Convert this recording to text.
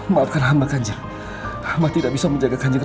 maafkan hamba kanjel hama tidak bisa menjaga kanjel ratu